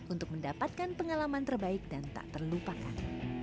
untuk mendapatkan pengalaman terbaik dan tak terlupakan